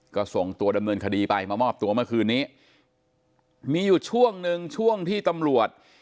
ก็ส่งตัวดำเนินคดีไปมามอบตัวเมื่อคืนนี้มีอยู่ช่วงหนึ่งช่วงที่ตำรวจ